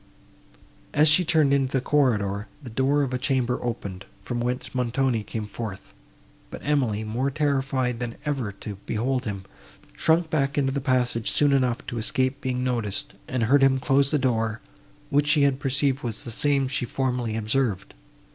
As she turned into the corridor, the door of a chamber opened, from whence Montoni came forth; but Emily, more terrified than ever to behold him, shrunk back into the passage soon enough to escape being noticed, and heard him close the door, which she had perceived was the same she formerly observed.